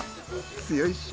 強いし。